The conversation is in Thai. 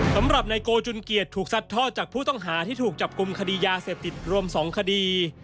สำหรับนายโกจุนเกียจถูกซัดทอดจากผู้ต้องหาที่ถูกจับกลุ่มคดียาเสพติดรวม๒คดี